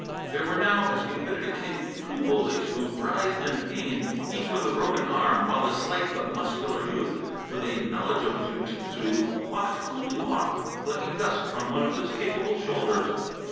There were now, as befitted a king, two bullies, who writhed in pain, each with a broken arm, while the slight but muscular youth with a knowledge of jiu jitsu walked coolly off, flecking dust from one of his capable shoulders.